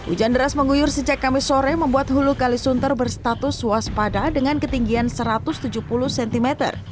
hujan deras mengguyur sejak kamis sore membuat hulu kalisunter berstatus waspada dengan ketinggian satu ratus tujuh puluh cm